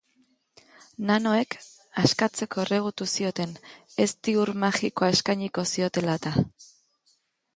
Nanoek, askatzeko erregutu zioten, ezti-ur magikoa eskainiko ziotela eta.